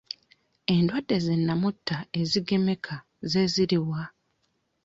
Endwadde zi nnamutta ezigemeka ze ziriwa?